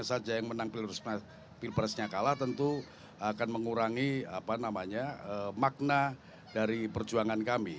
siapa saja yang menang pilpresnya kalah tentu akan mengurangi makna dari perjuangan kami